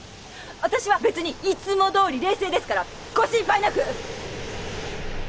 私は別にいつも通り冷静ですからご心配なく！